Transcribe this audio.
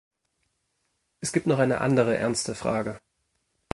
Es gibt noch eine andere ernste Frage.